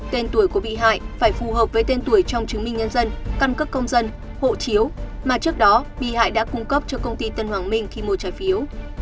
tên tuổi của bị hại phải phù hợp với tên tuổi trong chứng minh nhân dân căn cước công dân hộ chiếu mà trước đó bị hại đã cung cấp cho công ty tân hoàng minh khi mua trái phiếu